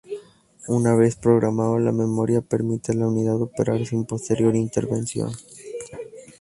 Una vez programado, la memoria permite a la unidad operar sin posterior intervención.